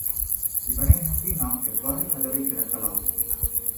இவனை நம்பி நாம் எவ்வாறு கதவைத் திறக்கலாம்?